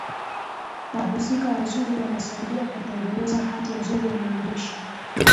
wahusika wazuri wanasaidia kutengeneza hati nzuri ya maandishi